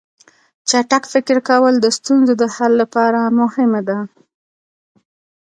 چټک فکر کول د ستونزو د حل لپاره مهم دي.